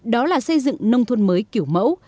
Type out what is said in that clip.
đó là xây dựng nông thôn mới kiểu mẫu